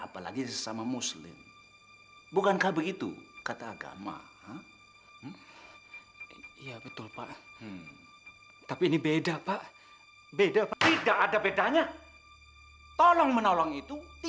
kamu harus melakukan ini